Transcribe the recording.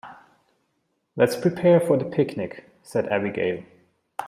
"Let's prepare for the picnic!", said Abigail.